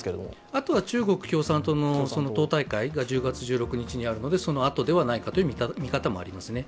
あとは中国共産党の党大会が１０月１３日にあるので、そのあとではないかという見方もありますね。